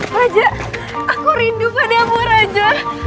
raja aku rindu padamu raja